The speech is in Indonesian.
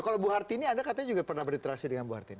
kalau bu hartini anda katanya juga pernah berinteraksi dengan bu hartini